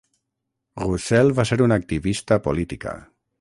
Roussel va ser una activista política.